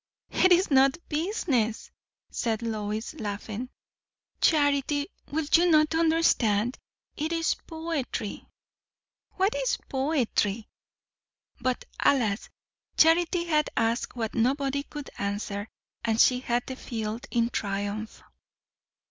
"It is not business," said Lois, laughing. "Charity, will you not understand? It is poetry." "What is poetry?" But alas! Charity had asked what nobody could answer, and she had the field in triumph.